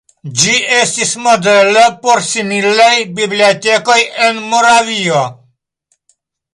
Ĝi estis modelo por similaj bibliotekoj en Moravio.